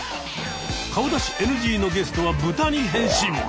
顔出しＮＧのゲストはブタに変身。